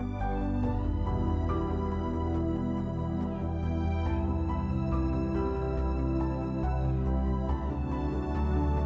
kota syok kota syok pulau munci ya apa